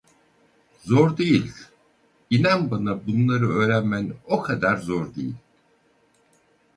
Zor değil, inan bana bunları öğrenmen o kadar zor değil.